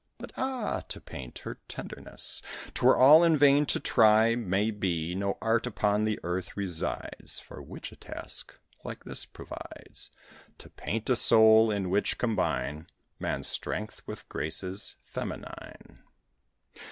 But, ah! to paint her tenderness 'Twere all in vain to try; may be No art upon the earth resides Which for a task like this provides, To paint a soul in which combine Man's strength with graces feminine.